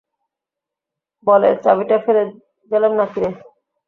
বলে, চাবিটা ফেলে গেলাম নাকি রে?